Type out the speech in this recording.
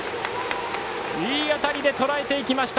いい当たりでとらえていきました